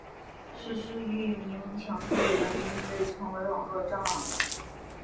实施域名抢注的人亦被称为网路蟑螂。